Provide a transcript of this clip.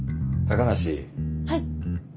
はい。